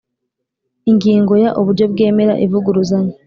Ingingo ya uburyo bwemera ivuguruzanya